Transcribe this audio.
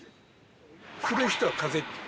古い人はカゼっていう。